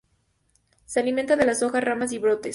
Se alimentan de las hojas, ramas y brotes.